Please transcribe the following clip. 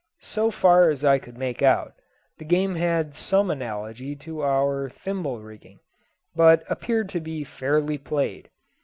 So far as I could make out, the game had some analogy to our "thimble rigging;" but appeared to be fairly played.